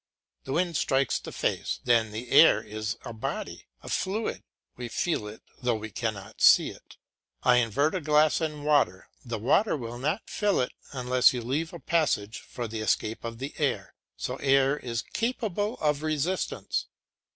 The wind strikes the face, then the air is a body, a fluid; we feel it though we cannot see it. I invert a glass in water; the water will not fill it unless you leave a passage for the escape of the air; so air is capable of resistance.